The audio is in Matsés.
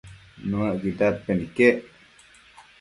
Nuëcquid dadpen iquec